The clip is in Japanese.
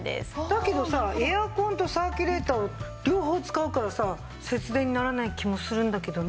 だけどさエアコンとサーキュレーターを両方使うからさ節電にならない気もするんだけどね。